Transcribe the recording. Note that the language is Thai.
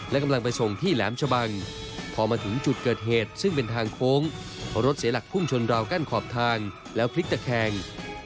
และกำลังไปส่งที่แหลมชะบัง